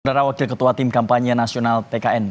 antara wakil ketua tim kampanye nasional tkn